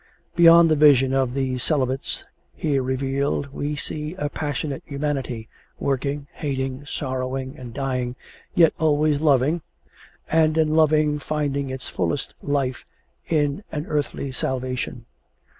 Beyond the vision of these celibates here revealed we see a passionate humanity, working, hating, sorrowing, and dying, yet always loving, and in loving finding its fullest life in an earthly salvation.